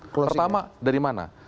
pertama dari mana